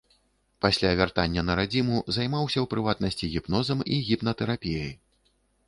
Пасля вяртання на радзіму займаўся, у прыватнасці, гіпнозам і гіпнатэрапіяй.